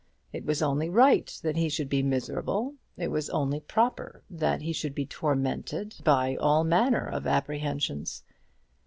It was only right that he should be miserable: it was only proper that he should be tormented by all manner of apprehensions.